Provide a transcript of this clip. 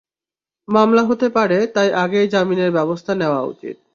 মামলা হতে পারে, তাই আগেই জামিনের ব্যবস্থা নেওয়া উচিত।